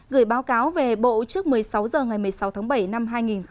gửi báo cáo về bộ y tế trước một mươi sáu h ngày một mươi sáu tháng bảy năm hai nghìn một mươi chín